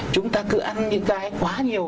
chúng ta cứ ăn những cái quá nhiều